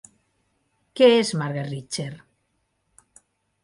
Què és Marga Richter?